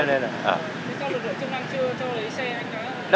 cho lấy xe anh đó